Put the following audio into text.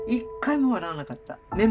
目も笑わなかった。